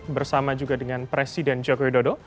bersama juga dengan presiden joko widodo